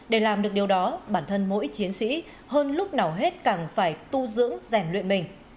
để làm được điều đó bản thân mỗi chiến sĩ hơn lúc nào hết càng phải tu dưỡng rèn luyện mình